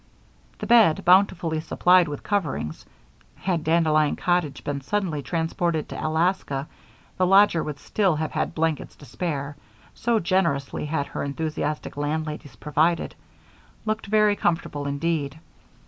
The bed, bountifully supplied with coverings had Dandelion Cottage been suddenly transported to Alaska the lodger would still have had blankets to spare, so generously had her enthusiastic landladies provided looked very comfortable indeed.